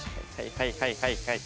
はいはいはいはい。